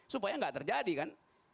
supaya enggak terjadi kan